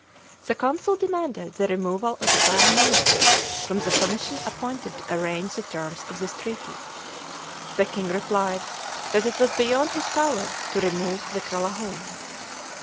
The consul demanded the removal of the prime minister from the commission appointed to arrange the terms of this treaty. The king replied that it was beyond his power to remove the Kralahome.